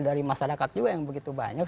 dari masyarakat juga yang begitu banyak